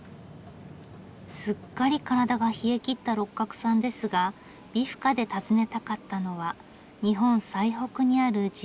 すっかり体が冷えきった六角さんですが美深で訪ねたかったのは日本最北にある地